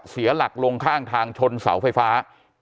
เสียหลักลงข้างทางชนเสาไฟฟ้า